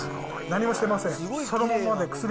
何もしてません。